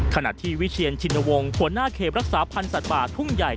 ขณะที่วิเชียนชินวงศ์หัวหน้าเขตรักษาพันธ์สัตว์ป่าทุ่งใหญ่